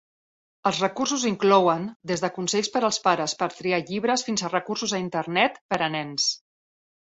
Els recursos inclouen des de consells per als pares per triar llibres fins a recursos a Internet per a nens.